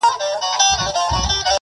یاری هغه مزه که